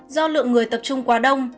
do lượng người tập trung quá đông